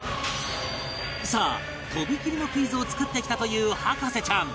さあとびきりのクイズを作ってきたという博士ちゃん